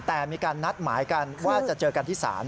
แต่มีการนัดหมายกันว่าจะเจอกันที่ศาล